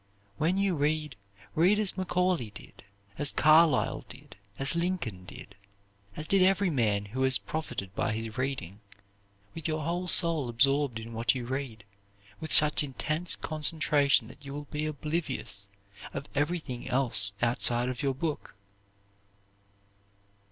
When you read, read as Macaulay did, as Carlyle did, as Lincoln did as did every great man who has profited by his reading with your whole soul absorbed in what you read, with such intense concentration that you will be oblivious of everything else outside of your book.